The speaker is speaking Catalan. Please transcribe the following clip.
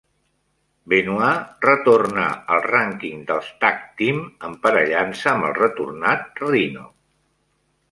Benoit retornà al rànquing dels "tag team", emparellant-se amb el retornat Rhyno.